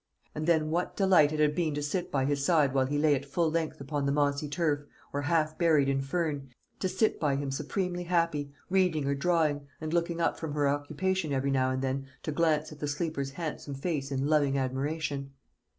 And then what delight it had been to sit by his side while he lay at full length upon the mossy turf, or half buried in fern to sit by him supremely happy, reading or drawing, and looking up from her occupation every now and then to glance at the sleeper's handsome face in loving admiration.